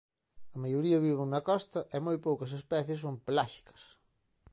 A maioría viven na costa e moi poucas especies son peláxicas.